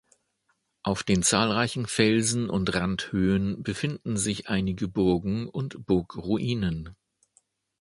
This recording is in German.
Auf den zahlreichen Felsen und Randhöhen befinden sich einige Burgen und Burgruinen.